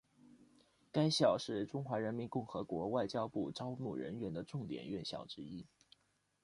该校是中华人民共和国外交部招募人员的重点院校之一。